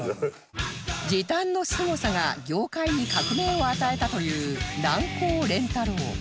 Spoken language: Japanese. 時短のすごさが業界に革命を与えたというなんこう練太郎